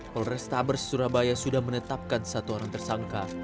kalau restabers surabaya sudah menetapkan satu orang tersangka